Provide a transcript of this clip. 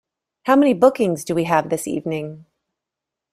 How many bookings do we have this evening?